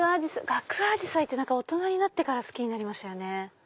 ガクアジサイ大人になってから好きになりましたよね。